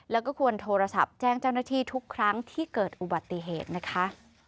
แล้วก็ควรโทรศัพท์แจ้งเจ้าหน้าที่ทุกครั้งที่เกิดอุบัติเหตุนะคะ